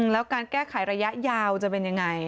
แล้วการแก้ไขระยะยาวจะเป็นยังไง